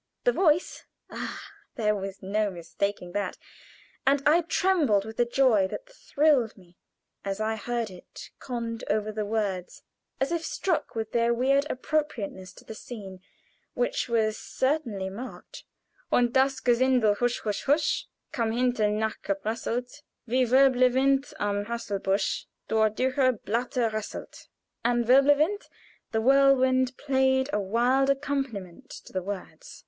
The voice ah! there was no mistaking that, and I trembled with the joy that thrilled me as I heard it conned over the words as if struck with their weird appropriateness to the scene, which was certainly marked: "Und das Gesindel, husch, husch, husch Kam hinten nachgeprasselt Wie Wirbelwind am Haselbusch Durch dürre Blatter rasselt." And wirbelwind the whirlwind played a wild accompaniment to the words.